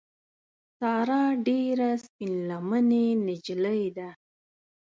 ساره ډېره سپین لمنې نجیلۍ ده.